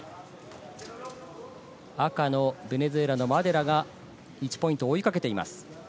赤のベネズエラのマデラが１ポイントを追いかけています。